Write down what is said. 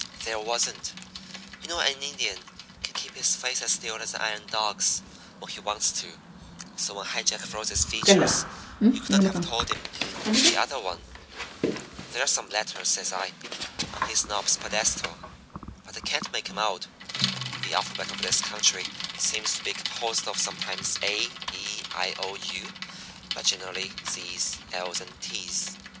"There wasn't. You know an Indian can keep his face as still as an iron dog's when he wants to, so when High Jack froze his features you couldn't have told him from the other one. "'There's some letters,' says I, 'on his nob's pedestal, but I can't make 'em out. The alphabet of this country seems to be composed of sometimes a, e, i, o, and u, but generally z's, l's, and t's.'